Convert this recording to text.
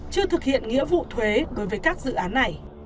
chưa thực hiện nghĩa vụ thuế đối với các dự án này